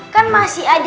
kan masih ada